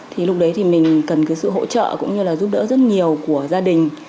thì lúc đấy thì mình cần cái sự hỗ trợ cũng như là giúp đỡ rất nhiều của gia đình